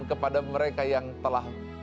kepada mereka yang telah